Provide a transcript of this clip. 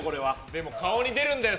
でも顔に出るんだよ。